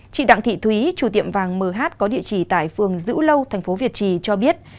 chị đặng thị thúy chủ tiệm vàng mh có địa chỉ tại phường dữ lâu thành phố việt trì cho biết